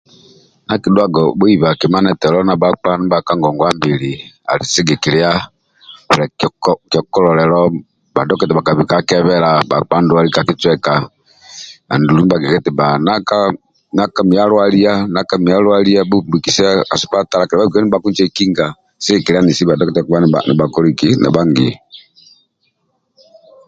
Ndia akidhuaga bhuiba kima ndietolo ndia bhakpa ndibha ka ngongwa mbili ali sigikilia kyokuleloho bha dokita bhakabika kebela bhakpa ndwali ka kicweja andulu ndia bhakigi bba nanka miyo alwalia nanka miyo alwalia bhumbikse ka sipatala kedha bhakilika bika nibha kincekinga sigikilia nesi agio